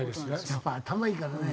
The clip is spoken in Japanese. やっぱ頭いいからね。